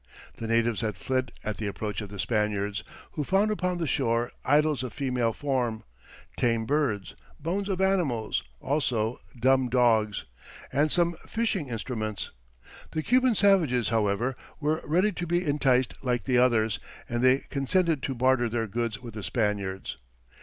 The natives had fled at the approach of the Spaniards, who found upon the shore idols of female form, tame birds, bones of animals, also dumb dogs, and some fishing instruments. The Cuban savages, however, were ready to be enticed like the others, and they consented to barter their goods with the Spaniards.